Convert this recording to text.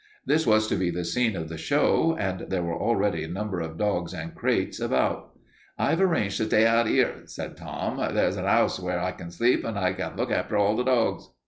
This was to be the scene of the show, and there were already a number of dogs and crates about. "I've arranged to stay out 'ere," said Tom. "There's an 'ouse where I can sleep, and I can look after all the dogs."